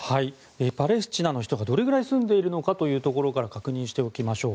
パレスチナの人がどのぐらい住んでいるのかというところから確認しておきましょう。